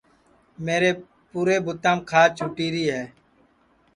میرے پُورے بُوتاپ کھاج چُھٹیری ہے